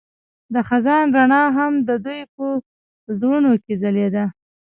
د خزان رڼا هم د دوی په زړونو کې ځلېده.